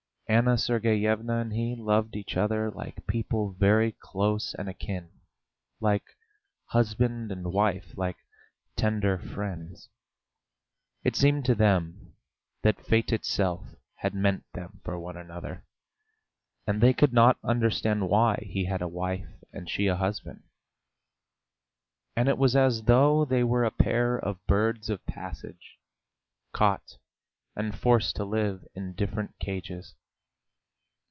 Anna Sergeyevna and he loved each other like people very close and akin, like husband and wife, like tender friends; it seemed to them that fate itself had meant them for one another, and they could not understand why he had a wife and she a husband; and it was as though they were a pair of birds of passage, caught and forced to live in different cages.